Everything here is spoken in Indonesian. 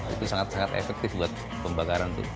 itu sangat sangat efektif buat pembakaran itu